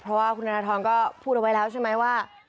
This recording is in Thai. เพราะว่าคุณธนทรก็พูดเอาไว้แล้วใช่ไหมว่า